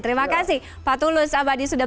terima kasih pak tulus abadi sudah